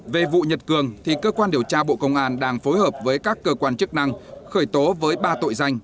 về vụ nhật cường thì cơ quan điều tra bộ công an đang phối hợp với các cơ quan chức năng khởi tố với ba tội danh